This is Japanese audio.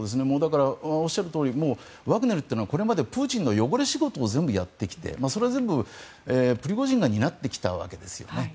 おっしゃるとおりワグネルというのはこれまでプーチンの汚れ仕事を全部やってきてそれは全部、プリゴジンが担ってきたわけですよね。